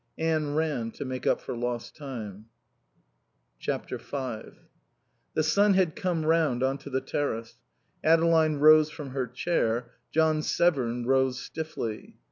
Anne ran, to make up for lost time. v The sun had come round on to the terrace. Adeline rose from her chair. John Severn rose, stiffly.